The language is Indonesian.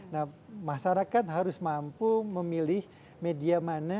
nah masyarakat harus mampu memilih media mana